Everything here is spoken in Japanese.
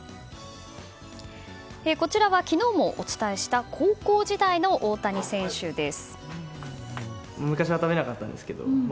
こちらは昨日もお伝えした高校時代の大谷選手です。